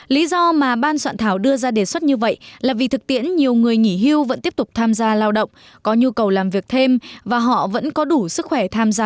lý do mà ban soạn thảo đưa ra đề xuất như vậy là vì thực tiễn nhiều người nghỉ hưu vẫn tiếp tục tham gia lao động có nhu cầu làm việc thêm và họ vẫn có đủ sức khỏe tham gia